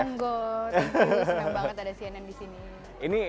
senang banget ada cnn di sini